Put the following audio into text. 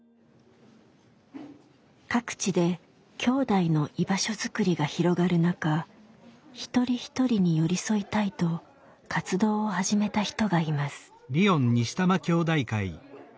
各地できょうだいの居場所づくりが広がる中一人一人に寄り添いたいと活動を始めた人がいます。